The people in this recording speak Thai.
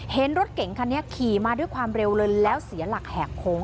เห็นรถเก่งคันนี้ขี่มาด้วยความเร็วเลยแล้วเสียหลักแหกโค้ง